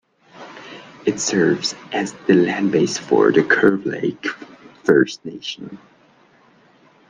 It serves as the landbase for the Curve Lake First Nation.